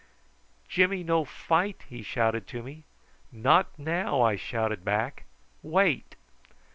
"Jimmy no fight?" he shouted to me. "Not now," I shouted back. "Wait."